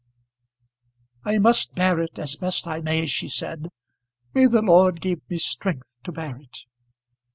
"I must bear it as best I may," she said. "May the Lord give me strength to bear it!"